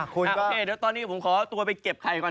คุณโอเคเดี๋ยวตอนนี้ผมขอตัวไปเก็บไข่ก่อน